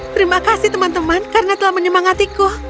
terima kasih teman teman karena telah menyemangatiku